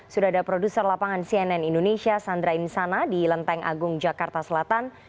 sudah ada produser lapangan cnn indonesia sandra insana di lenteng agung jakarta selatan